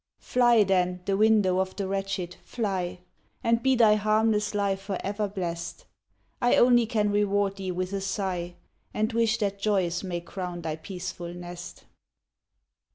Fly, then! the window of the wretched, fly! And be thy harmless life for ever blest; I only can reward thee with a sigh, And wish that joys may crown thy peaceful nest.